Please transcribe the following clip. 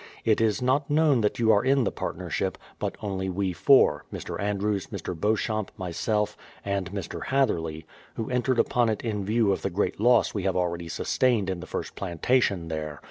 It is not known that you are in the partnership, but only we four, Mr. Andrews, Mr. Beau champ, myself, and Mr. Hatherley, who entered upon it in view of the great loss we have already sustained in the first plantation there.